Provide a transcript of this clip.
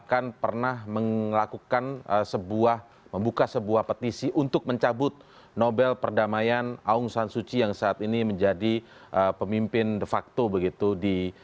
kita akan langsung ke mas agus